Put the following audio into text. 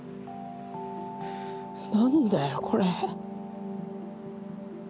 何だよこれ。